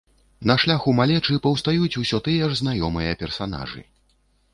На шляху малечы паўстаюць усё тыя ж знаёмыя персанажы.